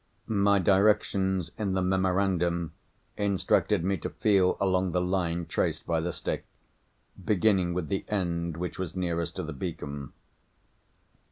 My directions in the memorandum instructed me to feel along the line traced by the stick, beginning with the end which was nearest to the beacon.